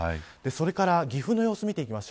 それから、岐阜の様子です。